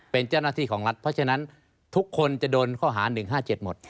เป็นเจ้าหน้าที่ของรัฐเพราะฉะนั้นทุกคนจะโดนข้อหา๑๕๗หมด